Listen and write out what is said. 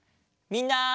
みんな。